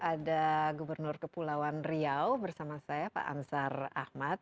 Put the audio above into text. ada gubernur kepulauan riau bersama saya pak ansar ahmad